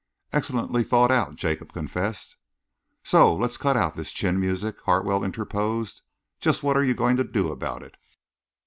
"Excellently thought out," Jacob confessed. "Say, let's cut out this chin music," Hartwell interposed. "Just what are you going to do about it?"